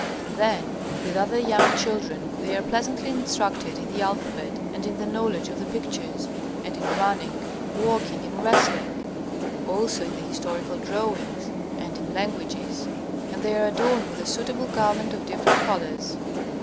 And then with other young children they are pleasantly instructed in the alphabet, and in the knowledge of the pictures, and in running, walking, and wrestling; also in the historical drawings, and in languages; and they are adorned with a suitable garment of different colors.